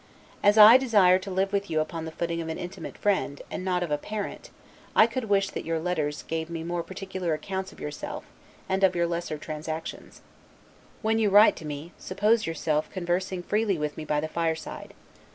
As I desire to live with you upon the footing of an intimate friend, and not of a parent, I could wish that your letters gave me more particular accounts of yourself, and of your lesser transactions. When you write to me, suppose yourself conversing freely with me by the fireside.